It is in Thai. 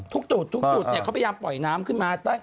ทุกจุดทุกจุดเขาพยายามปล่อยน้ำขึ้นมา